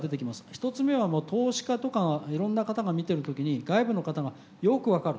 １つ目は投資家とかいろんな方が見てる時に外部の方がよく分かる。